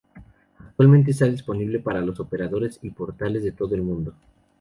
Actualmente está disponible para los operadores y portales de todo el mundo.